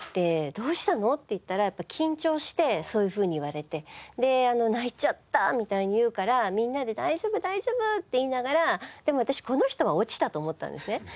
どうしたの？って言ったらやっぱ緊張してそういうふうに言われて泣いちゃったみたいに言うからみんなで大丈夫大丈夫って言いながらでも私この人は落ちたと思ったんですね。